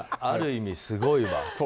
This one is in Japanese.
ある意味すごいわ。